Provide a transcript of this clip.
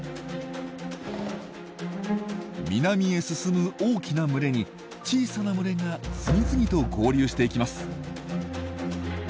南へ進む大きな群れに小さな群れが次々と合流していきます。